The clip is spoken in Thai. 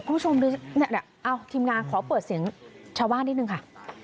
คุณผู้ชมดูเนี่ยเอาทีมงานขอเปิดเสียงชาวบ้านนิดนึงค่ะ